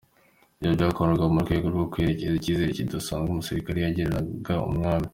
Ibyo byakorwaga mu rwego rwo kwereka ikizere kidasanzwe umusirikare yagiriraga umwami.